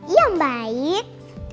iya om baik